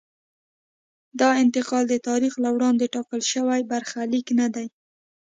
دا انتقال د تاریخ له وړاندې ټاکل شوی برخلیک نه دی.